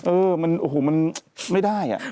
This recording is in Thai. เออมันโหแหมไม่ได้อะ